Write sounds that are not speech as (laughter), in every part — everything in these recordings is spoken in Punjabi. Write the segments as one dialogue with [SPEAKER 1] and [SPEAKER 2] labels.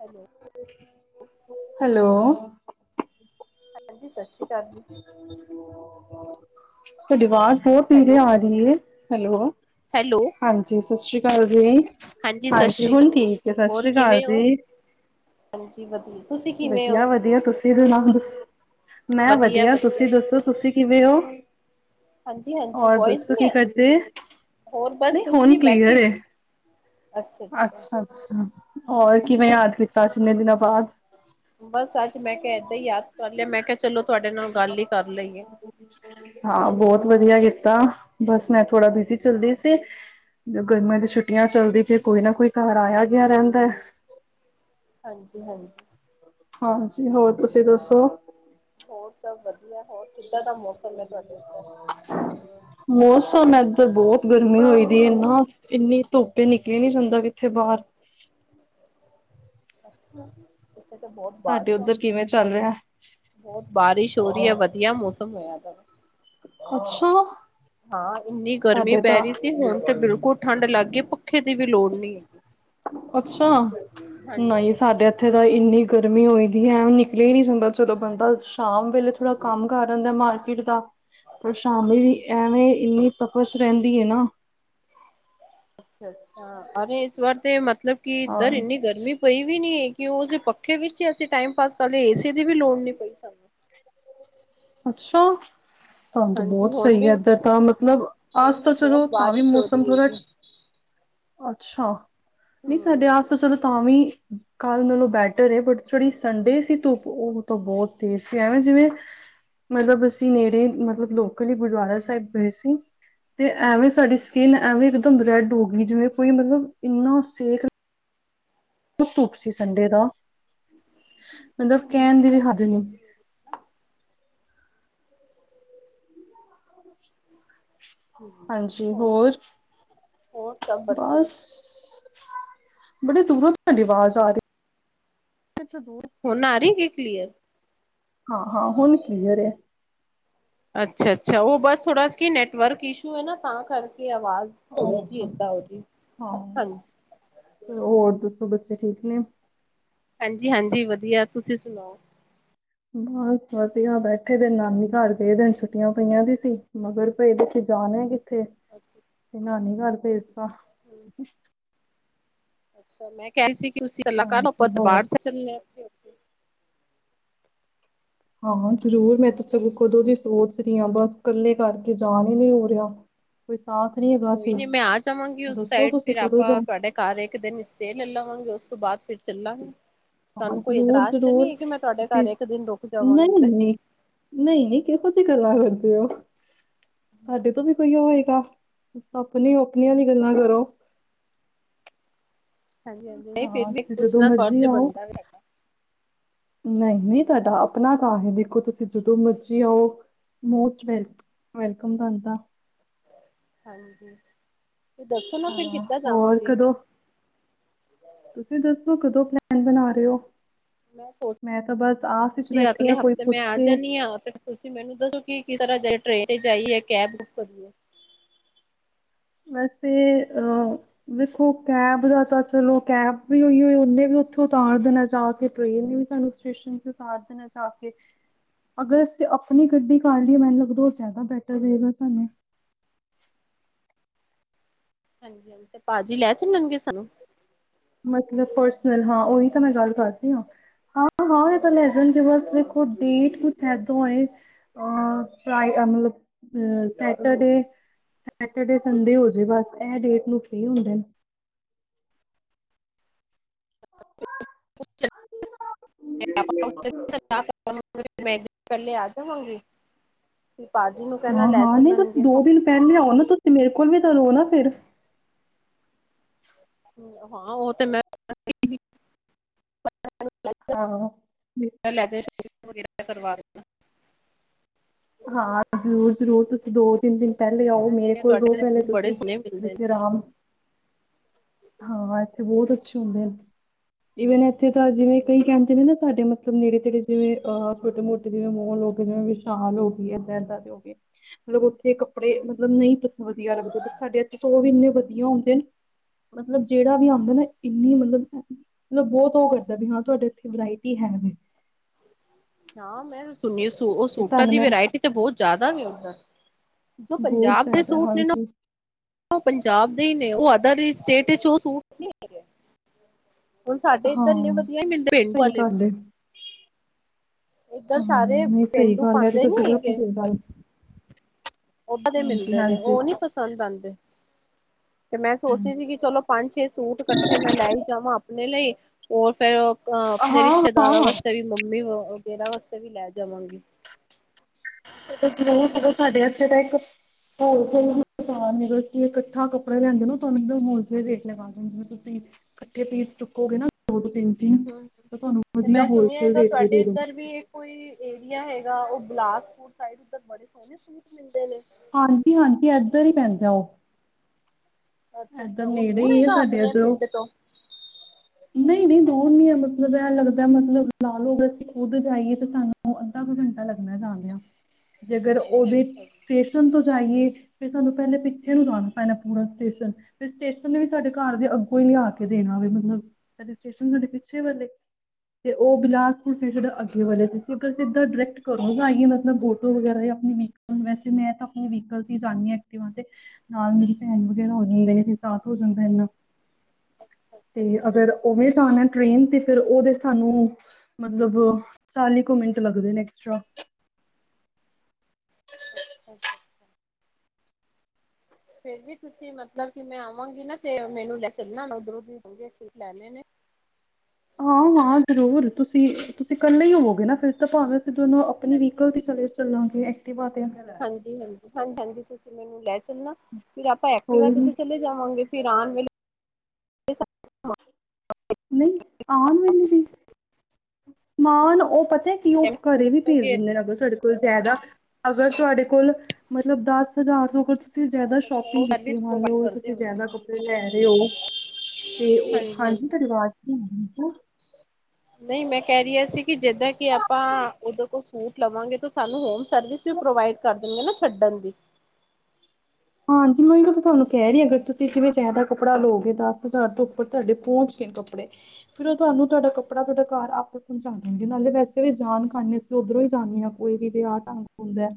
[SPEAKER 1] ਹੈਲੋ
[SPEAKER 2] ਹੈਲੋ
[SPEAKER 1] ਸਤਿ ਸ਼੍ਰੀ ਅਕਾਲ।
[SPEAKER 2] (inaudible) ਤੁਹਾਡੀ ਆਵਾਜ਼ ਬਹੁਤ ਧੀਰੇ
[SPEAKER 1] ਹੈਲੋ
[SPEAKER 2] ਆ ਰਹੀ ਐ। ਹੈਲੋ
[SPEAKER 1] ਹੈਲੋ
[SPEAKER 2] ਹਾਂਜੀ ਸਤਿ ਸ਼੍ਰੀ ਅਕਾਲ ਜੀ,
[SPEAKER 1] ਸਤਿ
[SPEAKER 2] ਹਾਂਜੀ
[SPEAKER 1] ਸ਼੍ਰੀ
[SPEAKER 2] ਹੁਣ
[SPEAKER 1] ਅਕਾਲ ਜੀ
[SPEAKER 2] ਠੀਕ ਐ, ਸਤਿ
[SPEAKER 1] ਹੋਰ
[SPEAKER 2] ਸ਼੍ਰੀ ਅਕਾਲ
[SPEAKER 1] ਕਿਵੇਂ ਹੋ
[SPEAKER 2] ਜੀ।
[SPEAKER 1] ਹਾਂਜੀ ਵਧੀਆ ਤੁਸੀਂ ਕਿਵੇਂ
[SPEAKER 2] ਵਧੀਆ
[SPEAKER 1] ਹੋ
[SPEAKER 2] ਵਧੀਆ, ਤੁਸੀਂ ਇਹਦੇ ਨਾਮ ਦੱਸ ਮੈਂ ਵਧੀਆ, ਤੁਸੀਂ ਦੱਸੋ ਤੁਸੀਂ ਕਿਵੇਂ ਔ?
[SPEAKER 1] ਹਾਂਜੀ ਹਾਂਜੀ
[SPEAKER 2] ਹੋਰ
[SPEAKER 1] ਵੋਇਸ
[SPEAKER 2] ਦੱਸੋ
[SPEAKER 1] ਨੀ
[SPEAKER 2] ਕੀ
[SPEAKER 1] ਹੈ
[SPEAKER 2] ਕਰਦੇ,
[SPEAKER 1] ਹੋਰ ਬਸ
[SPEAKER 2] ਨਈਂ
[SPEAKER 1] ਕੁਛ ਨੀ
[SPEAKER 2] ਹੁਣ ਕਲੀਅਰ
[SPEAKER 1] ਬੈਠੀ
[SPEAKER 2] ਐ।
[SPEAKER 1] ਦੀ
[SPEAKER 2] ਅੱਛਾ ਅੱਛਾ, ਹੋਰ ਕਿਵੇਂ ਯਾਦ ਕੀਤਾ ਅਜ ਇਨੇ ਦਿਨਾਂ ਬਾਅਦ।
[SPEAKER 1] ਬਸ ਅੱਜ ਮੈਂ ਕਿਹਾ ਏਦਾਂ ਹੀ ਯਾਦ ਕਰ ਲਿਆ, ਮੈਂ ਕਿਆ ਚਲੋ ਤੁਹਾਡੇ ਨਾਲ ਗੱਲ ਹੀ ਕਰ ਲਈਏ।
[SPEAKER 2] ਹਾਂ ਬਹੁਤ ਵਧੀਆ ਕੀਤਾ ਬਸ ਮੈਂ ਥੋੜਾ ਬਿਜੀ ਚੱਲਦੀ ਸੀ। ਤੇ ਗਰਮੀਆਂ ਦੀ ਛੁੱਟੀਆਂ ਚਲਦੀ ਫਿਰ ਕੋਈ ਨਾ ਕੋਈ ਘਰ ਆਇਆ ਗਿਆ ਰਹਿੰਦਾ।
[SPEAKER 1] ਹਾਂਜੀ ਹਾਂਜੀ।
[SPEAKER 2] ਹਾਂਜੀ ਹੋਰ ਤੁਸੀਂ ਦੱਸੋ।
[SPEAKER 1] ਹੋਰ ਸਭ ਵਧੀਆ ਹੋਰ ਕਿੱਦਾਂ ਦਾ ਮੌਸਮ ਐ ਤੁਹਾਡੇ (unintelligible)
[SPEAKER 2] ਮੌਸਮ ਇਧਰ ਬਹੁਤ ਗਰਮੀ ਹੋਈ ਦੀ ਏਨਾਂ। ਇੰਨਨੀ ਧੁੱਪ ਨਿਕਲੀ ਨੀ ਜਾਂਦਾ ਕਿੱਥੇ ਬਾਹਰ
[SPEAKER 1] ਅੱਛਾ ਉੱਥੇ ਤਾਂ ਬਹੁਤ
[SPEAKER 2] ਸਾਡੇ
[SPEAKER 1] ਬਾਰਿਸ਼ਾਂ (inaudible)
[SPEAKER 2] ਉੱਧਰ ਕਿਵੇਂ ਚੱਲ ਰਿਹਾ
[SPEAKER 1] ਬਹੁਤ ਬਾਰਿਸ਼ ਹੋ ਰਹੀ ਐ, ਵਧੀਆ ਮੌਸਮ ਹੋਇਆ ਦਾ। ਹਾਂ,
[SPEAKER 2] ਅੱਛਾ
[SPEAKER 1] ਹਾਂ ਇੰਨੀ ਗਰਮੀ
[SPEAKER 2] ਸਾਡੇ
[SPEAKER 1] ਪੈ
[SPEAKER 2] ਤਾਂ
[SPEAKER 1] ਰਹੀ ਸੀ ਹੁਣ ਤੇ ਬਿਲਕੁਲ ਠੰਢ ਲੱਗ ਗਈਏ ਪੱਖੇ ਦੀ ਵੀ ਲੋੜ ਨਈ ਏ।
[SPEAKER 2] ਅੱਛਾ ਨਈਂ
[SPEAKER 1] ਹਾਂਜੀ
[SPEAKER 2] ਸਾਡੇ ਥ ਇੱਥੇ ਤਾਂ ਇੰਨੀ ਗਰਮੀ ਹੋਈ ਦੀ ਐ, ਨਿਕਲਿਆ ਈ ਨਈਂ ਜਾਂਦਾ, ਚਲੋ ਬੰਦਾ ਸ਼ਾਮ ਵੇਲੇ ਥੋੜਾ ਕੰਮ ਕਰ ਆਂਦਾ ਮਾਰਕੀਟ ਦਾ। ਪਰ ਸ਼ਾਮੀ ਵੀ
[SPEAKER 1] ਹੂੰ
[SPEAKER 2] ਐਵੇਂ ਇੰਨੀ ਤਪਸ਼ ਰਹਿੰਦੀ ਐਨਾ
[SPEAKER 1] ਅੱਛਾ, ਅਰੇ ਇਸ ਵਾਰ ਤੇ ਮਤਲਬ ਕਿ
[SPEAKER 2] ਹਾਂ
[SPEAKER 1] ਇੱਧਰ ਇੰਨੀ ਗਰਮੀ ਪਈ ਵੀ ਨੀ ਐ ਕਿ ਉਸਦੇ ਪੱਖੇ ਵਿੱਚ ਹੀ ਅਸੀਂ ਟਾਈਮ ਪਾਸ ਕਰ ਲਿਆ, ਏਸੀ ਦੀ ਵੀ ਲੋੜ ਨਈ ਪਈ ਸਾਨੂੰ।
[SPEAKER 2] ਅੱਛਾ! ਤਾਂਨੂੰ ਤੋਂ
[SPEAKER 1] ਹਾਂਜੀ
[SPEAKER 2] ਬਹੁਤ
[SPEAKER 1] ਹੁਣ
[SPEAKER 2] ਸਹੀ
[SPEAKER 1] ਵੀ
[SPEAKER 2] ਐ ਇੱਧਰ ਤਾਂ ਮਤਲਬ ਆਜ
[SPEAKER 1] ਹੁਣ ਵੀ
[SPEAKER 2] ਤਾਂ
[SPEAKER 1] ਬਹੁਤ
[SPEAKER 2] ਚਲੋ ਤਾਂ ਵੀ
[SPEAKER 1] ਬਾਰਿਸ਼ ਹੋ
[SPEAKER 2] ਮੌਸਮ
[SPEAKER 1] ਰਹੀ
[SPEAKER 2] ਥੋੜ੍ਹਾ
[SPEAKER 1] (inaudible)
[SPEAKER 2] ਅੱਛਾ ਨ੍ਹੀਂ ਸਾਡੇ
[SPEAKER 1] ਹੂੰ
[SPEAKER 2] ਆਸ ਤੇ ਚਲੋ ਤਾਂ ਵੀ ਕੱਲ੍ਹ ਮਲੋਂ ਬੈਟਰ ਐ ਬਟ ਜਿਹੜੀ ਸੰਡੇ ਸੀ ਧੁੱਪ ਉਹ ਤਾਂ ਬਹੁਤ ਤੇਜ਼ ਸੀ ਐਵੇਂ ਜਿਵੇਂ ਮਤਲਬ ਅਸੀਂ ਨੇੜੇ ਮਤਲਬ ਲੋਕਲੀ ਗੁਰਦੁਆਰਾ ਸਾਹਿਬ ਗਏ ਸੀ ਤੇ
[SPEAKER 1] ਹਾਂਜੀ।
[SPEAKER 2] ਐਵੇਂ ਸਾਡੀ ਕਿਨ ਐਵੇਂ, ਇੱਕ ਦਮ ਰੈਡ ਹੋਗਈ ਜਿਵੇਂ ਕੋਈ ਮਤਲਬ ਇੰਨਾ ਸੇਖ, ਧੁੱਪ ਸੀ ਸੰਡੇ ਦਾ, ਮਤਲਬ
[SPEAKER 1] ਉਹ ਹੀਟ
[SPEAKER 2] ਕਹਿਣ ਦੀ ਵੀ ਹੱਦ
[SPEAKER 1] ਕਰਕੇ
[SPEAKER 2] ਨ,
[SPEAKER 1] ਹੋ ਰਹੀ ਹੈ।
[SPEAKER 2] ਹਾਂਜੀ, ਹੋਰ
[SPEAKER 1] ਹੋਰ ਸਭ ਵਧੀਆ
[SPEAKER 2] ਬਸ, ਬੜੇ ਦੂਰੋਂ ਤੋਂ ਤੁਹਾਡੀ ਆਵਾਜ਼ ਆ ਰਹੀ ਦੂਰ,
[SPEAKER 1] ਹੋਣ ਆਰਹੀ ਹੈ, ਕਲੀਅਰ।
[SPEAKER 2] ਹਾਂ, ਹਾਂ ਹੁਣ ਕਲੀਅਰ ਹੈ,
[SPEAKER 1] ਅੱਛਾ, ਅੱਛਾ ਉਹ ਬਸ ਥੋੜਾ ਨੈਟਵਰਕ ਇਸ਼ੂ ਹੈ ਨਾ, ਤਾਂ ਕਰਕੇ ਆਵਾਜ਼, ਜੀ
[SPEAKER 2] ਅੱਛਾ
[SPEAKER 1] ਏਦਾਂ ਹੋ, ਜੀ
[SPEAKER 2] ਹਾਂ
[SPEAKER 1] ਹਾਂਜੀ,
[SPEAKER 2] ਹੋਰ ਦੱਸੋ, ਬੱਚੇ ਠੀਕ ਨੇ,
[SPEAKER 1] ਹਾਂਜੀ, ਹਾਂਜੀ ਵਧੀਆ ਤੁਸੀਂ ਸੁਣਾਓ
[SPEAKER 2] ਬਸ ਵਤੀਆ ਬੈਠੇ ਦਿਨ ਨਾਨੀ ਘਰ, ਗੇ ਦਿਨ ਛੁੱਟੀਆਂ ਪਈਆਂ ਦੀ ਸੀ ਮਗਰ, ਅਸੀੇ ਜਾਣੇ ਆ ਕਿੱਥੇ?
[SPEAKER 1] ਅੱਛਾ (unintelligible)
[SPEAKER 2] ਤੇ ਨਾਨੀ ਘਰ ਭੇਜਦਾ।
[SPEAKER 1] ਅਛ, ਮੈਂ ਕਿਹ ਰ ਸੀ ਕਿ ਉਸ ਕੱਲਾਕਾਰ ਨੂੰ ਉੱਪਰ
[SPEAKER 2] ਹਾਂਜੀ ਹੋਰ
[SPEAKER 1] ਦਰਬਾਰ ਸੈਬ
[SPEAKER 2] ਹਾਂ, ਜ਼ਰੂਰ ਮੈਂ ਤਾਂ ਸਗੋਂ ਕਦੋਂ ਦੀ ਸੋਚ ਰਹੀ ਹਾਂ, ਬਸ ਇਕੱਲੇ ਕਰਕੇ ਜਾਣ ਹੀ ਨਹੀਂ ਹੋ ਰਿਹਾ। ਕੋਈ ਸਾਥ ਨਹੀਂ ਹੈਗਾ ਸੀ,
[SPEAKER 1] ਕੋਈ ਨੀ ਮੈਂ ਆ ਜਾਵਾਂਗੀ ਉਸ
[SPEAKER 2] ਦੱਸੋ
[SPEAKER 1] ਸਾਈਡ
[SPEAKER 2] ਤੁਸੀਂ
[SPEAKER 1] ਫਿਰ
[SPEAKER 2] ਕਦੋ
[SPEAKER 1] ਆਪਾਂ
[SPEAKER 2] ਤੋਂ?
[SPEAKER 1] ਤੁਹਾਡੇ ਘਰ ਇੱਕ ਦਿਨ ਸਟੇ ਲੈ ਲਵਾਂਗੇ, ਉਸ ਤੋਂ ਬਾਅਦ ਫਿਰ ਚੱਲਾਂਗੇ।
[SPEAKER 2] ਹਾਂ
[SPEAKER 1] ਤੁਹਾਨੂੰ ਕੋਈ
[SPEAKER 2] ਜ਼ਰੂਰ
[SPEAKER 1] ਇਤਰਾਜ ਤਾਂ
[SPEAKER 2] ਜ਼ਰੂਰ
[SPEAKER 1] ਨਹੀਂ ਹੈ, ਕਿ ਮੈਂ ਤੁਹਾਡੇ
[SPEAKER 2] ਤੁਸੀਂ
[SPEAKER 1] ਘਰ ਇੱਕ ਦਿਨ ਰੁਕ ਜਾਵਾਂਗੀ
[SPEAKER 2] ਨਹੀਂ
[SPEAKER 1] ਤੇ।
[SPEAKER 2] ਨਹੀਂ ਨਹੀਂ, ਨਹੀਂ ਕੈਸੀ ਗੱਲਾਂ ਕਰਦੇ ਹੋ? ਸਾਡੇ ਤੋਂ ਵੀ ਐਇਯੋ ਹੋਏਗਾ, ਆਪਣੇ ਆਪਨੀਆਂਗੱਲਾਂ ਕਰੋ।
[SPEAKER 1] ਹਾਂਜੀ, ਹਾਂਜੀ ਨਹੀਂ ਫਿਰ
[SPEAKER 2] ਹਾਂ
[SPEAKER 1] ਵੀ
[SPEAKER 2] ਤੁਸੀਂ ਜਦੋਂ
[SPEAKER 1] ਪੁੱਛਣਾ
[SPEAKER 2] ਮਰਜ਼ੀ
[SPEAKER 1] ਫਰਜ ਬਣਦਾ ਏ।
[SPEAKER 2] ਨਹੀਂ, ਨਹੀਂ ਤੁਹਾਡਾ ਆਪਣਾ ਘਰ ਹੈ, ਦੇਖੋ ਤੁਸੀਂ ਜਦੋਂ ਮਰਜ਼ੀ ਆਓ। ਮੋਸਟ ਵੈਲ ਵੈਲਕਮ ਬਣਦਾ।
[SPEAKER 1] ਹਾਂਜੀ, ਦੱਸੋ ਨਾ ਫਿਰ
[SPEAKER 2] ਹਾਂ
[SPEAKER 1] ਕਿੱਦਾਂ
[SPEAKER 2] ਹੋਰ
[SPEAKER 1] ਜਾਵਾਂਗੇ?
[SPEAKER 2] ਕਦੋਂ ਤੁਸੀਂ ਦੱਸੋ, ਕਦੋਂ ਪਲੈਨ ਬਣਾ ਰਹੇ ਹੋ? ਮੈਂ ਤਾਂ ਬਸ ਆਸ ਵਿੱਚ
[SPEAKER 1] ਤੁਸੀਂ
[SPEAKER 2] ਬੈਠੀ
[SPEAKER 1] ਅਗਲੇ
[SPEAKER 2] ਹਾਂ, ਕੋਈ
[SPEAKER 1] ਹਫ਼ਤੇ ਮੈਂ ਆ
[SPEAKER 2] ਪੁਛੇ
[SPEAKER 1] ਜਾਂਦੀ ਹਾਂ ਤੇ। ਤੁਸੀਂ ਮੈਨੂੰ ਦੱਸੋ ਕਿ ਕੀ ਕਿਸ ਤਰਹ ਜਾਈਏ? ਟ੍ਰਰੇਨ ਤੇ ਜਾਈਏ, ਕੈਬ ਬੁੱਕ ਕਰੀਏ।
[SPEAKER 2] ਵੈਸੇ ਅਹ। ਦੇਖੋ, ਕੈਬ ਦਾ ਤਾਂ ਚਲੋ ਕੈਬ ਵੀ ਓਇਓ ਹੋਈ, ਉਹਨੇ ਵੀ ਉੱਥੋਂ ਤਾਰ ਦੇਣਾ, ਜਾ ਕੇ ਟ੍ਰੇਨ ਨੇ ਵੀ ਸਾਨੂੰ। ਕ੍ਰਿਸ਼ਨ ਤੋਂ ਸਾਧ ਦੇ ਨਾਲ ਜਾ ਕੇ। ਅਗਰ ਅਸੀਂ ਆਪਣੀ ਗੱਡੀ ਕਰ ਲਈਏ, ਮੈਨੂੰ ਲੱਗਦਾ, ਉਹ ਜ਼ਿਆਦਾ ਬੈਟਰ ਰਹੇਗਾ ਸਾਨੂੰ
[SPEAKER 1] ਹਾਂਜੀ, ਹਾਂਜੀ ਤੇ ਭਾਜੀ ਲੈ ਚੱਲਣਗੇ ਸਾਨੂੰ,?
[SPEAKER 2] ਮਤਲਬ ਪਰਸਨਲ ਹਾਂ, ਉਹੀ ਤਾਂ ਮੈਂ ਗੱਲ ਕਰਦੀ ਹਾਂ। ਹਾਂ, ਹਾਂ ਇਹ ਤਾਂ ਲੈ ਜਾਣਗੇ, ਬਸ ਦੇਖੋ ਡੇ, ਟ ਕੁਛ ਇਦੋਂ ਆ। ਅ ਫ ਟਰਾਈ ਕਰਨਾ, ਮਤਲਬ ਅ ਸੈਟਰਡੇ। ਸੈਟਰਡੇ ਸੰਡੇ ਹੋ ਜ਼ੇ ਬਸ, ਇਹ ਡੇਟ ਨੂੰ ਫ ਹੁੰਦੇ ਨੇ।
[SPEAKER 1] (inaudible) (unintelligible) ਫ ਮੈਂ ਦਿਨ ਪਹਿਲੇ ਆ ਜਾਵਾਂਗੀ। ਭਾਜੀ। ਨੂੰ ਕਹਿਣਾ
[SPEAKER 2] ਹਾਂ,
[SPEAKER 1] ਲੈ
[SPEAKER 2] ਹਾਂ ਨਹੀਂ ਤੁਸੀਂ
[SPEAKER 1] ਚੱਲਣਗੇ ਹਾਂ
[SPEAKER 2] ਦੋ ਦਿਨ ਪਹਿਲੇ ਆਓ ਨਾ, ਤੁਸੀਂ ਮੇਰੇ ਕੋਲ ਵੀ ਤਾਂ ਰਹ ਨਾ ਫਿਰ।
[SPEAKER 1] ਹਾਂ, ਉਹ ਤੇ ਮੈਂ। (unintelligible)
[SPEAKER 2] ਆਹ।
[SPEAKER 1] ਏ ਲੈਜੋ ਲੈ, ਸ਼ੋਗ ਵਗੈਰਾ ਕਰਵਾ।
[SPEAKER 2] ਹਾਂ ਜ਼ਰੂਰ,, ਜ਼ਰੂਰ ਤੁਸੀਂ ਦੋ, ਤਿੰਨ ਦਿਨ। ਪਹਿਲੇ ਆਓ
[SPEAKER 1] ਮੈਂ
[SPEAKER 2] ਮੇਰੇ
[SPEAKER 1] ਸੁਣਿਆ
[SPEAKER 2] ਕੋਲ ਰਹੋ,
[SPEAKER 1] ਤੁਹਾਡੇ
[SPEAKER 2] ਪਹਿਲੇ
[SPEAKER 1] ਸੂਟ ਬੜੇ
[SPEAKER 2] ਤੁਸੀਂ
[SPEAKER 1] ਸੋਹਣੇ ਮਿਲਦੇ
[SPEAKER 2] ਇਥੇ ਰਾਮ। ਹਾਂ ਇੱਥੇ ਬਹੁਤ ਅੱਛੇ ਹੁੰਦੇ ਨੇ, ਈਵਨ ਇੱਥੇ ਤਾਂ ਜਿਵੇਂ ਕਈ
[SPEAKER 1] ਨੇ
[SPEAKER 2] ਕੈਂਪ। ਜਿਵੇਂ ਨਾ ਸਾਡੇ ਮਤਲਬ ਨੇੜੇ ਤੇੜੇ ਜਿਵੇਂ, ਅਹ ਛੋਟੇ ਮੋਟੇ ਜਿਵੇਂ ਮੋਲ ਹੋ ਗਏ, ਜਿਵੇਂ ਵਿਸ਼ਾਲ ਹੋਏ। ਏਦਾਂ ਇਦਾਂ ਦੇਓਗੇ ਮਤਲਬ ਉੱਥੇ ਕੱਪੜੇ ਮਤਲਬ ਨਹੀਂ ਪ। ਵਧੀਆ ਲੱਗਦੇ, ਬਟ ਸਾਡੇ ਇੱਥੇ ਤੋਂ ਉਹ ਵੀ ਇੰਨੇ ਵਧੀਆ ਹੁੰਦੇ ਨੇ ‌। ਮਤਲਬ ਜਿਹੜਾ ਵੀ ਆਉਂਦਾ ਨਾ, ਇੰਨੀ ਮਤਲਬ। ਮਤਲਬ ਬਹੁਤ ਉਹ ਕਰਦਾ ਵੀ ਹਾਂ, ਤੁਹਾਡੇ ਇੱਥੇ ਵਰਾਇਟੀ ਹੈ ਵੀ।
[SPEAKER 1] ਹਾਂ ਮੈਂ ਸੁਣੀ ਸੂ ਉਹ
[SPEAKER 2] ਤੇ
[SPEAKER 1] ਸੂਟਾਂ
[SPEAKER 2] ਤੁਹਾਨੂੰ
[SPEAKER 1] ਦੀ
[SPEAKER 2] ਮੈਂ
[SPEAKER 1] ਵਰਾਇਟੀ ਤੇ ਬਹੁਤ ਜ਼ਿਆਦਾ ਵਦਾ। ਜੋ
[SPEAKER 2] ਬਹੁਤ
[SPEAKER 1] ਪੰਜਾਬ ਦੇ
[SPEAKER 2] ਜ਼ਿਆਦਾ
[SPEAKER 1] ਸੂਟ ਨੇ।
[SPEAKER 2] ਹਾਂਜੀ
[SPEAKER 1] ਉਹ ਪੰਜਾਬ ਦੇ ਹੀ ਨੇ, ਉਹ ਅਦਰ ਸਟੇਟ ਚ ਉਹ ਸੂਟ ਨਹੀਂ ਹੈਗੇ। ਹੁਣ ਸਾਡੇ ਇੱਧਰ ਨੀ
[SPEAKER 2] ਹਾਂ
[SPEAKER 1] ਵਧੀਆ ਮਿਲਦੇ ਇਨੇ
[SPEAKER 2] ਸਹੀ
[SPEAKER 1] ਵਧੀਆ ਹੀ ਪੇ
[SPEAKER 2] ਗੱਲ ਹੈ
[SPEAKER 1] ਵਾਲੇ। ਨੇ ਇੱਧਰ
[SPEAKER 2] ਹਾਂ
[SPEAKER 1] ਸਾਰੇ
[SPEAKER 2] ਨਹੀਂ ਸਹੀ
[SPEAKER 1] ਪੇਂਡੂ
[SPEAKER 2] ਗੱਲ ਹੈ ਤੇ
[SPEAKER 1] ਪਾਉਂਦੇ
[SPEAKER 2] ਤੁਸੀਂ
[SPEAKER 1] ਨੀ
[SPEAKER 2] ਬਿਲਕੁਲ
[SPEAKER 1] ਹੈਗੇ।
[SPEAKER 2] ਸਹੀ ਗੱਲ
[SPEAKER 1] ਉਹਦੇ
[SPEAKER 2] ਹਾਂਜੀ
[SPEAKER 1] ਮਿਲਦੇ ਨੇ
[SPEAKER 2] ਹਾਂਜੀ
[SPEAKER 1] ਉਹ ਨੀ ਪਸੰਦ ਆਉਂਦੇ। ਤੇ ਮੈਂ ਸੋਚਿਆ ਸੀ ਕਿ ਚਲੋ ਪੰਜ, ਛੇ ਸੂਟ ਇਕੱਠੇ ਮੈਂ ਲੈ ਹੀ ਜਾਵਾਂ ਆਪਣੇ ਲਈ ਰ ਫਿਰ ‌। ਅਹ ਆਪਣੇ
[SPEAKER 2] ਹਾਂ
[SPEAKER 1] ਰਿਸ਼ਤੇਦਾਰਾਂ
[SPEAKER 2] ਹਾਂ
[SPEAKER 1] ਵਾਸਤੇ ਵੀ, ਮੰਮੀ ਵਗੈਰਾ ਵਾਸਤੇ ਵੀ ਲੈ ਜਾਵਾਂਗੀ।
[SPEAKER 2] ਬ ਸਗੋਂ ਸਾਡੇ ਹੱਥੇ ਤਾਂ ਇੱਕ ਟਰੈਂਕ। ਹੋਲ ਸੇਲ ਦਾਨ ਇਕੱਠਾ ਕੱਪੜੇ ਲਿਆਂਦੇ ਨਾ ਤੁਹਾਨੂੰ ਇੱਕ ਹੋਲਸੇਲ ਦੇਖ ਲਿਆ। ਜਿਵੇਂ ਤੁਸੀਂ ਇਕਠੇ ਪੀਸ ਚੁੱਕੋਗੇ ਨਾ ਦੋ ਤੋਂ ਤਿੰਨ। ਤਿੰਨ
[SPEAKER 1] ਹੂੰ-ਹੂੰ,
[SPEAKER 2] ਤਾਂ ਤੁਹਾਨੂੰ
[SPEAKER 1] ਤੇ
[SPEAKER 2] ਵਧੀਆ
[SPEAKER 1] ਮੈਂ ਸੁਣਿਆਂ
[SPEAKER 2] ਹੋਲਸੇਲ
[SPEAKER 1] ਇੱਧਰ
[SPEAKER 2] ਰੇਟ ਤੇ
[SPEAKER 1] ਤੁਹਾਡੇ
[SPEAKER 2] ਦੇ ਦੇਣ
[SPEAKER 1] ਇੱਧਰ ਵੀ ਕੋਈ ਏਰੀਆ ਹੈਗਾ ਉਹ ਬਿਲਾਸਪੁਰ ਸਾਈਡ ਉੱਧਰ ਬੜੇ ਸੋਹਣੇ ਸੂਟ ਮਿਲਦੇ ਨੇਂ।
[SPEAKER 2] ਹਾਂਜੀ-ਹਾਂਜੀ ਇੱਧਰ ਈ ਪੈਂਦਾ ਉਹ।
[SPEAKER 1] ਅੱਛਾ-ਅੱਛਾ
[SPEAKER 2] ਇੱਧਰ
[SPEAKER 1] ਉਹ
[SPEAKER 2] ਨੇੜੇ
[SPEAKER 1] ਦੂਰ
[SPEAKER 2] ਹੀ ਹੈ
[SPEAKER 1] ਹੈਗਾ ਆਪਣੇ ਪਿੰਡ ਤੋਂ?
[SPEAKER 2] ਨਈਂ-ਨਈਂ ਦੂਰ ਨੀ ਐ ਮਤਲਬ ਐ ਲੱਗਦਾ ਮਤਲਬ, ਨਾਲ ਹੋ ਗਏ ਖੁਦ ਜਾਈਏ ਤਾਂ ਤੁਹਾਨੂੰ ਅੱਧਾ ਕ ਘੰਟਾ ਲੱਗਣਾ ਜਾਂਦਿਆ, ਜੇਕਰ
[SPEAKER 1] ਅੱਛਾ
[SPEAKER 2] ਉਹਦੇ,
[SPEAKER 1] ਅੱਛਾ ਜੀ
[SPEAKER 2] ਸੇ ਤੋਂ ਜਾਈਏ, ਫ਼ੇਰ ਤੁਹਾਨੂੰ ਪਹਿਲੇ ਪਿੱਛੇ ਨੂੰ ਜਾਣਾ ਪੈਣਾ ਪੂਰਾ ਸਟੇਸ਼ਨ। ਫ਼ੇਰ ਸਟੇਸ਼ਨ ਨੂੰ ਵੀ ਸਾਡੇ ਘਰ ਦੇ ਅੱਗੋਂ ਈ ਲਿਆ ਕੇ ਦੇਣਾ ਵੇ ਮਤਲਬ, ਸਾਡੀ ਸਟੇਸ਼ਨ ਸਾਡੇ ਪਿੱਛੇ ਵਾਲੇ। ਤੇ ਉਹ ਬਿਲਾਸਪੁਰ ਸਾਡਾ ਅੱਗੇ ਵਾਲੇ, ਤੁਸੀਂ ਅਗਰ ਸਿੱਧਾ ਡਾਇਰੈਕਟ ਘਰੋਂ ਆਈਏ, ਮਤਲਬ ਫ਼ੋਟੋ ਵਗੈਰਾ ਜਾਂਂ ਆਪਣੀ ਹੁਣ ਵੈਸੇ ਮੈਂ ਤਾਂ ਆਪਣੇ ਵਹੀਕਲ ਤੇ ਜਾਂਨੀ ਆਂ, ਐਕਟਿਵਾਂ ਤੇ ਨਾਲ ਮੇਰੀ ਭੈਣ ਵਗੈਰਾ ਹੋ ਜਾਂਦੀ ਏ, ਸਾਥ ਹੋ ਜਾਂਦੇ ਇਹਨਾਂ ਕ, ਤੇ ਅਗਰ ਆਣਾ, ਟ੍ਰੇਨ ਤੇ ਫਿਰ ਉਹਦੇ ਸਾਨੂੰ ਮਤਲਬ, ਚਾਲੀ ਕੁ ਮਿੰਟ ਲੱਗਦੇ ਨੇਂ ਐਕਸਟਰਾ।
[SPEAKER 1] ਅੱਛਾ-ਅੱਛਾ-ਅੱਛਾ। ਫੇਰ ਵੀ ਤੁਸੀਂ ਮਤਲਬ ਕਿ ਮੈਂ ਆਵਾਂਗੀ ਨਾਂ ਤੇ ਮੈਨੂੰ ਲੈ ਚਲਣਾ, ਮੈਂ ਉੱਧਰੋਂ-ਉਧਰ ਹੋਗੇ ਸੂਟ ਲੈ ਲੈਣੇ ਨੇ।
[SPEAKER 2] ਹਾਂ-ਹਾਂ ਜ਼ਰੂਰ ਤੁਸੀਂ, ਤੁਸੀਂ ਇਕੱਲੇ ਈ ਹੋਵੋਗੇ ਨਾਂ ਫੇਰ ਤਾਂ ਭਾਵੇਂ ਅਸੀਂ ਤੁਹਾਨੂੰ ਆਪਣੀ
[SPEAKER 1] ਹਾਂਜੀ
[SPEAKER 2] ਵੀਹੀਕਲ ਤੇ ਚਲੇ ਚੱਲਾਂਗੇ, ਐਕਟਿਵਾ ਤੇ।
[SPEAKER 1] ਹਾਂਜੀ ਹਾਂ, ਹਾਂਜੀ-ਹਾਂਜੀ ਤੁਸੀਂ ਮੈਨੂੰ ਲੈ ਚੱਲਣਾ ਫਿਰ ਆਪਾਂ ਐਕਟਿਵਾ
[SPEAKER 2] ਕੋਈ
[SPEAKER 1] ਤੇ
[SPEAKER 2] ਨੀ
[SPEAKER 1] ਤਾਂ ਚਲੇ ਜਾਵਾਂਗੇ ਫਿਰ ਆਣ ਵੇਲੇ
[SPEAKER 2] ਨਈਂ, ਆਣ ਵੇਲੇ ਦੀ ਸਮਾਨ ਉਹ ਪਤਾ ਐ ਕਿ ਉਹ ਘਰੇ ਵੀ ਭੇਜ ਦਿੰਦੇ ਨੇਂ ਅਗਰ ਤੁਹਾਡੇ ਕੋਲ ਬਕੈਦਾ, ਅਗਰ ਤੁਹਾਡੇ ਕੋਲ ਮਤਲਬ ਦਸ-ਹਜ਼ਾਰ ਤੋਂ ਕੁਛ ਤੁਸੀਂ ਜਿਆਦਾ
[SPEAKER 1] ਉਹ
[SPEAKER 2] ਸ਼ੋਪਿੰਗ ਕੀਤੀ
[SPEAKER 1] ਸਰਵਿਸ
[SPEAKER 2] ਮੰਨ
[SPEAKER 1] ਪ੍ਰੋਵਾਈਡ
[SPEAKER 2] ਲਓ,
[SPEAKER 1] ਕਰਦੇ
[SPEAKER 2] ਤੁਸੀਂ
[SPEAKER 1] ਉਹਨਾਂ ਨੂੰ
[SPEAKER 2] ਜਿਆਦਾ ਕੱਪੜੇ ਲੈ ਰਹੇ ਓ। ਤੇ ਉਹ ਹਾਂਜੀ ਤੁਹਾਡੀ ਆਵਾਜ਼ ਨੀਂ ਆ ਰਹੀ।
[SPEAKER 1] ਨਈਂ ਮੈਂ ਕਹਿ ਰਹੀ ਆ ਸੀ ਕਿ ਜਿੱਦਾਂ ਕਿ ਆਪ ਆਪਾਂ ਉਹਦੇ ਕੋਲ ਸੂਟ ਲਵਾਂਗੇ ਤਾਂ ਸਾਨੂੰ ਹੋਮ ਸਰਵਿਸ ਵੀ ਪ੍ਰੋਵਾਈਡ ਕਰ ਦੇਣਗੇ ਨਾਂ ਛੱਡਣ ਦੀ।
[SPEAKER 2] ਹਾਂਜੀ ਮੈਂ ਓਹੀ ਗੱਲ ਤਾਂ ਤੁਹਾਨੂੰ ਕਹਿ ਰਹੀ ਆਂ, ਅਗਰ ਤੁਸੀਂ ਜਿਵੇਂ ਜ਼ਿਆਦਾ ਕੱਪੜਾ ਲਓਗੇ ਦਸ ਹਜ਼ਾਰ ਤੋਂ ਉੱਪਰ ਤੁਹਾਡੇ ਪਹੁੰਚ ਦੇ ਨੇਂ ਕੱਪੜੇ, ਫੇਰ ਉਹ ਤੁਹਾਨੂੰ ਤੁਹਾਡਾ ਕੱਪੜਾ ਤੁਹਾਡਾ ਘਰ ਆਪੇ ਪਹੁੰਚਾ ਦੇਣਗੇ ਨਾਲੇ ਵੈਸੇ ਵੀ ਜਾਨ ਖਾਨੇ ਅਸੀਂ ਓਧਰੋਂ ਈ ਜਾਂਨੇ ਆਂ ਕੋਈ ਵੀ ਵਿਆਹ ਢੰਗ ਹੁੰਦਾ,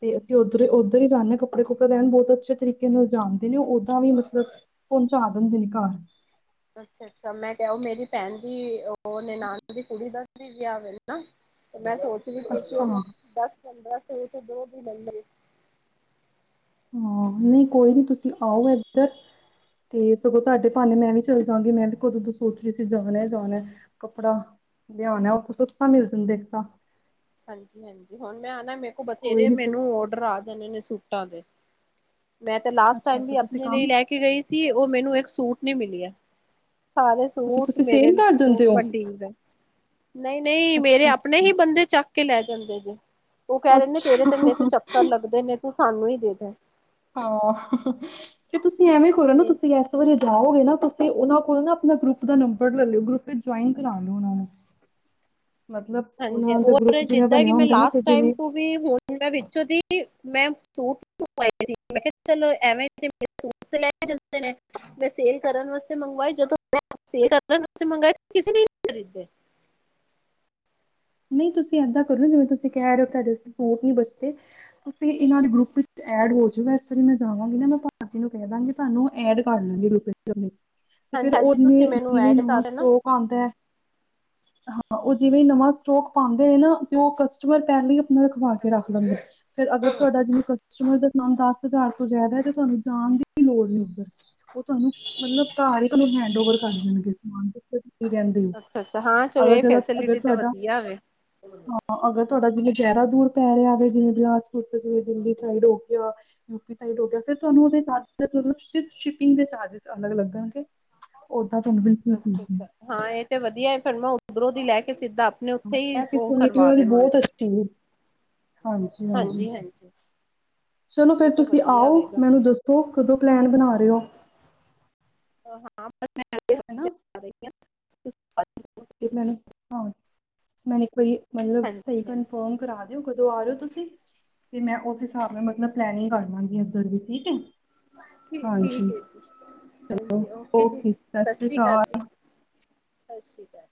[SPEAKER 2] ਤੇ ਅਸੀਂ ਉੱਧਰੋਂ ਈ ਉੱਧਰ ਈ ਜਾਂਨੇ ਆਂ ਕੱਪੜੇ ਕੁਪੜੇ ਰਹਿਣ ਬਹੁਤ ਅੱਛੇ ਤਰੀਕੇ ਨਾਲ ਜਾਣਦੇ ਨੇਂ ਓਦਾਂ ਵੀ, ਮਤਲਬ ਪਹੁੰਚਾ ਦਿੰਦੇ ਨੇਂ ਘਰ।
[SPEAKER 1] ਅੱਛਾ ਅੱਛਾ ਮੈਂ ਕਿਹਾ ਉਹ ਮੇਰੀ ਭੈਣ ਦੀ ਉਹ ਨਨਾਨ ਦੀ ਕੁੜੀ ਦਾ ਵੀ ਵਿਆਹ ਵੇਲੇ ਨਾਂ, ਮੈਂ ਸੋਚਦੀ ਸੀ ਕਿ
[SPEAKER 2] ਅੱਛਾ
[SPEAKER 1] ਉਹ ਮੈਂ,
[SPEAKER 2] ਹਾਂ
[SPEAKER 1] ਬੱਸ ਪੰਦਰਾਂ ਸੌ ਤੋਂ ਦੋ ਦਿਨ ਲਈ।
[SPEAKER 2] ਹਾਂ ਨਈਂ ਕੋਈ ਨੀਂ ਤੁਸੀਂ ਆਓ ਏਧਰ ਤੇ ਸਗੋਂ ਤੁਹਾਡੇ ਭਾਨੇ ਮੈਂ ਵੀ ਚੱਲ ਜਾਗੀ ਮੈਂ ਵੀ ਕਦੋਂ ਤੋਂ ਸੋਚ ਰਹੀ ਸੀ ਜਾਣਾ ਜਾਣਾ ਕੱਪੜਾ, ਲਿਆਉਣਾ ਉਥੋਂ ਸਸਤਾ ਮਿਲ ਜਾਂਦੇ ਇੱਕ ਤਾਂ।
[SPEAKER 1] ਹਾਂਜੀ ਹਾਂਜੀ ਹੁਣ ਮੈਂ ਆਨਾ ਮੇ ਕੋਲ
[SPEAKER 2] ਕੋਈ
[SPEAKER 1] ਬਥੇਰੇ
[SPEAKER 2] ਨੀ
[SPEAKER 1] ਮੈਨੂੰ ਔਡਰ ਆ ਣੇ ਨੇਂ ਸੂਟਾਂ ਦੇ, ਮੈਂ ਤੇ ਲਾਸਟ
[SPEAKER 2] ਅੱਛਾ
[SPEAKER 1] ਟਾਈਮ ਵੀ
[SPEAKER 2] ਅੱਛਾ ਤੁਸੀਂ
[SPEAKER 1] ਆਪਣੇ
[SPEAKER 2] ਕੰਮ
[SPEAKER 1] ਲਈ ਲੈ ਕੇ ਕੇ ਗਈ ਸੀ ਉਹ ਮੈਨੂੰ ਇੱਕ ਸੂਟ ਨੀਂ ਮਿਲਿਆ। ਸਾਰੇ
[SPEAKER 2] ਅੱਛਾ
[SPEAKER 1] ਸੂਟ
[SPEAKER 2] ਤੁਸੀਂ
[SPEAKER 1] ਮੇਰੇ,
[SPEAKER 2] ਸੇਲ ਕਰ
[SPEAKER 1] ਉਹ
[SPEAKER 2] ਦਿੰਦੇ ਹੋ
[SPEAKER 1] ਵੰਡੀਦੇ। ਨਈਂ ਨਈਂ ਮੇਰੇ
[SPEAKER 2] ਅੱਛਾ
[SPEAKER 1] ਆਪਣੇ ਹੀ ਬੰਦੇ ਚੱਕ ਕੇ ਲੈ ਜਾਂਦੇ ਨੇਂ। ਉਹ ਕਹਿ ਰਹੇ ਨੇਂ,
[SPEAKER 2] ਅੱਛਾ
[SPEAKER 1] ਤੇਰੇ ਤੇ ਨਿੱਤ ਚੱਕਰ ਲੱਗਦੇ ਨੇਂ, ਤੂੰ ਸਾਨੂੰ ਈ ਦੇ ਦੇ।
[SPEAKER 2] ਹਾਂ, ਤੇ ਤੁਸੀਂ ਐਵੇਂ ਕਰੋ ਨਾ
[SPEAKER 1] ਇਹ
[SPEAKER 2] ਤੁਸੀਂ ਜੇ ਜਾਓਗੇ ਨਾਂ ਤੁਸੀਂ ਉਹਨਾਂ ਕੋਲ ਨਾਂ ਆਪਣਾ ਗਰੁੱਪ ਦਾ ਨੰਬਰ ਲੈ ਲੋ ਗਰੁੱਪ ਚ' ਜੁਆਇਨ ਕਰਾ ਲਓ ਉਹਨਾਂ ਨੂੰ।
[SPEAKER 1] (inaudible)
[SPEAKER 2] ਮਤਲਬ
[SPEAKER 1] ਹਾਂਜੀ
[SPEAKER 2] ਉਹਨਾਂ ਦਾ
[SPEAKER 1] ਓ
[SPEAKER 2] ਗਰੁੱਪ ਜਿਵੇਂ
[SPEAKER 1] ਜਿੱਦਾਂ ਕਿ
[SPEAKER 2] ਬਣਿਆ
[SPEAKER 1] ਮੈਂ
[SPEAKER 2] ਹੁੰਦਾ ਨਾ ਤੇ
[SPEAKER 1] ਲਾਸਟ ਟਾਇਮ
[SPEAKER 2] ਜਿਵੇਂ
[SPEAKER 1] ਤੋਂ ਵੀ ਹੁਣ ਮੈਂ ਵਿੱਚੋਂ ਦੀ ਮੈਂ ਸੂਟ ਮੰਗਵਾਏ ਸੀ, ਮੈਂ ਕਿਹਾ ਚਲੋ ਐਵੇਂ ਸੂਟ ਲੈ ਕੇ ਜਾਂਦੇ ਨੇਂ। ਮੈਂ ਸੇਲ ਕਰਨ ਵਾਸਤੇ ਮੰਗਵਾਏ, ਜਦੋਂ ਸੇਲ ਕਰਨ ਵਾਸਤੇ ਮੰਗਵਾਏ ਕਿਸੇ ਨੇਂ ਨੀਂ ਖਰੀਦੇ।
[SPEAKER 2] ਨਈਂ ਤੁਸੀਂ ਏਦਾਂ ਕਰੋ ਜਿਵੇਂ ਤੁਸੀਂ ਕਹਿ ਰਹੇ ਓ ਤੁਹਾਡੇ ਸੂਟ ਨਹੀਂ ਬਚਦੇ। ਤੁਸੀਂ ਇਹਨਾਂ ਦੇ ਗਰੁੱਪ ਵਿੱਚ ਐਡ ਹੋਜੋ, ਇਸ ਵਾਰੀ ਮੈਂ ਜਾਵਾਂਗੀ ਨਾਂ ਮੈਂ ਭਾਜੀ ਨੂੰ ਕਹਿ ਦਾਂਗੀ। ਤੁਹਾਨੂੰ ਐਡ ਕਰ ਲੈਂਨਗੇ ਗਰੁੱਪ ਵਿੱਚ, ਤੇ ਫੇਰ
[SPEAKER 1] ਹਾਂਜੀ
[SPEAKER 2] ਉਹ
[SPEAKER 1] ਹਾਂਜੀ
[SPEAKER 2] ਜਿਵੇਂ
[SPEAKER 1] ਤੁਸੀਂ ਮੈਨੂੰ
[SPEAKER 2] ਜਿਵੇਂ
[SPEAKER 1] ਐਡ
[SPEAKER 2] ਨਵਾਂ
[SPEAKER 1] ਕਰ ਦੇਣਾ
[SPEAKER 2] ਸਟੋਕ ਪਾਉਂਦਾ ਹੈ ਹਾਂ ਉਹ ਜਿਵੇਂ ਨਵਾਂ ਸਟੋਕ ਪਾਉਂਦੇ ਹੈ ਨਾ ਤੇ ਉਹ ਕਸਟਮਰ ਪਹਿਲਾਂ ਹੀ ਆਪਣਾ ਰਖਵਾ ਕੇ ਰੱਖ ਲੈਂਦੇ ਫੇਰ ਅਗਰ ਤੁਹਾਡਾ ਜਿਵੇਂ ਕਸ ਜਿਵੇਂ ਕਸਟਮਰ ਦਾ ਨਾਮ ਦਸ ਹਜ਼ਾਰ ਤੋਂ ਜ਼ਿਆਦਾ ਹੈ ਤੇ ਤੁਹਾਨੂੰ ਜਾਣ ਦੀ ਵੀ ਲੋੜ ਨ ਉੱਧਰ ਉਹ ਤੁਹਾਨੂੰ ਮਤਲਬ ਘਰ ਹੀ ਤੁਹਾਨੂੰ ਹੈਂਡ ਓਵਰ ਕਰ ਜਾ ਣਗੇ ਰਹਿੰਦੀ ਅਗਰ ਜ ਅਗਰ ਤੁਹਾਡਾ
[SPEAKER 1] ਕਿਹਾ ਵੇ
[SPEAKER 2] ਹਾਂ ਅਗਰ ਤੁਹਾਡਾ ਜਿਵੇਂ ਜ਼ਿਆਦਾ ਦੂਰ ਪੈ ਰਿਹਾਵੇ ਜਿਵੇਂ ਬਿਲਾਸਪੁਰ ਤੋਂ ਜਿਵੇਂ ਦਿੱਲੀ ਸਾਈਡ ਹੋ ਗਿਆ ਯੂਪੀ ਸਾਈਡ ਹੋ ਗਿਆ ਫਿਰ ਤੁਹਾਨੂੰ ਓਦੇਂ ਸ ਸ਼ਿਪਿੰਗ ਦੇ ਚਾਰਜਸ਼ੀ ਅਲਗ ਲੱਗਣਗੇ ਓਦਾਂ ਤੁਹਾਨੂੰ ਬਿਲਕੁਲ
[SPEAKER 1] ਅੱਛਾ
[SPEAKER 2] ਠੀਕ ਹੈ
[SPEAKER 1] ਅੱਛਾ ਹਾਂ ਇਹ ਤੇ ਵਧੀਆ ਫਿਰਮੈਂ ਉੱਧਰੋਂ ਦੀ ਲੈ ਕੇ ਸਿੱਧਾ ਆਪਣੇ ਉੱਥੇ ਹੀ ਉਹ ਕਰਵਾ ਦੇਵੰਨਗੀ
[SPEAKER 2] ਦਸ ਟਿਗ ਹਾਂਜੀ ਹਾਂਜੀ ਚਲੋ ਫਿਰ
[SPEAKER 1] ਇਹ ਤੇ
[SPEAKER 2] ਤੁਸੀਂ
[SPEAKER 1] ਵਧੀਆ
[SPEAKER 2] ਆਓ
[SPEAKER 1] ਹੋਵੇਗਾ
[SPEAKER 2] ਮੈਨੂੰ ਦੱਸੋ ਸੋ ਕਦੋਂ ਪਲੈਨ ਬਣਾ ਰਹੇ ਹੋ
[SPEAKER 1] ਹ ਹਾਂ
[SPEAKER 2] ਹਨਾ
[SPEAKER 1] ਬਣਾ ਰਹੀ ਹਾਂ
[SPEAKER 2] ਤੇ ਮੈਨੂੰ ਹਾਂ ਮੈਨ ਇੱਕ ਵਾਰੀ ਮਤਲਬ ਸਹੀ
[SPEAKER 1] ਹਾਂਜੀ ਹਾਂਜੀ
[SPEAKER 2] ਕਨਫਰਮ ਕਰਾ ਕਿਊ ਕਦੋਂ ਆ ਰਹੇ ਓ ਤੁਸੀਂ ਤੇ ਮੈਂ ਉਸ ਹਿਸਾਬ ਨਾਲ ਮਤਲਬ ਪਲੈਨਿੰਗ ਕਰ ਲਾਂਗੀ ਇੱਧਰ ਦੀ ਠੀਕ ਹੈ
[SPEAKER 1] ਠੀ ਠੀਕ
[SPEAKER 2] ਹਾਂਜੀ
[SPEAKER 1] ਹੈ ਜੀ ਹਾਂਜੀ ਓਕੇ ਜੀ ਸਤਿ ਸ੍ਰੀ ਅਕਾਲ ਜੀ ਸਤਿ ਸ਼੍ਰੀ ਅਕਾਲ